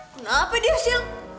kenapa dia sil